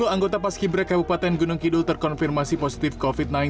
sepuluh anggota paskibra kabupaten gunung kidul terkonfirmasi positif covid sembilan belas